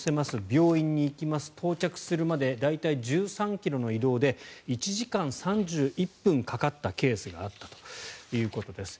病院に行きます、到着するまで大体１３ｋｍの移動で１時間３１分かかったケースがあったということです。